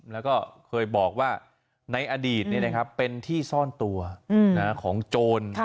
แล้วก็เคยบอกว่าในอดีตเนี่ยนะครับเป็นที่ซ่อนตัวของโจร